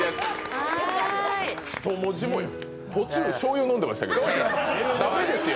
一文字もや、途中、しょうゆ飲んでたけどだめですよ！